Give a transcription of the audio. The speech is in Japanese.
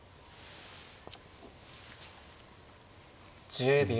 １０秒。